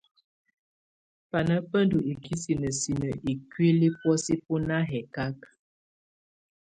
Bana bá ndù ikisinǝ sinǝ ikuili bɔ̀ósɛ bú na hɛkaka.